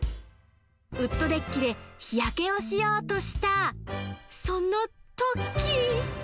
ウッドデッキで日焼けをしようとしたそのとき。